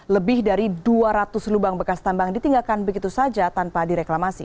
lebih dari dua ratus lubang bekas tambang ditinggalkan begitu saja tanpa direklamasi